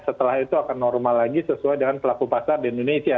setelah itu akan normal lagi sesuai dengan pelaku pasar di indonesia